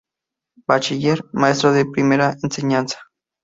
Bachiller, Maestro de primera enseñanza.